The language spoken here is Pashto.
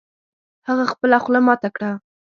هغه خپله خوله ماته کړه